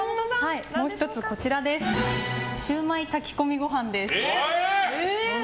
もう１つシウマイ炊き込みご飯です。